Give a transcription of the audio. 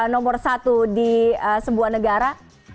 nomor satu di sebuah negara